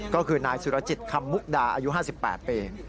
ก็คือนายสุรจิตคำมุกดาอายุ๕๘ปี